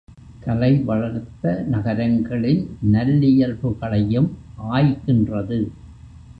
கலை வளர்த்த நகரங்களின் நல்லியல்புகளையும் ஆய்கின்றது.